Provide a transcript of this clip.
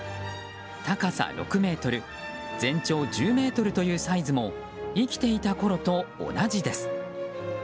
高さ６ｍ、全長１０ｍというサイズも生きていたころと同じです。